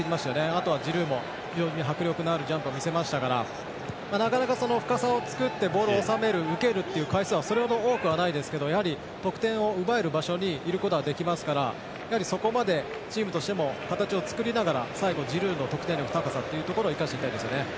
あとはジルーも迫力のあるジャンプを見せましたからなかなか深さを作ってボールを収める受けるという回数はそれほど多くはないですけどやはり得点を奪える場所にいることはできますからチームとしても形を作りながら最後、ジルーの得点力の高さを生かしていきたいですね。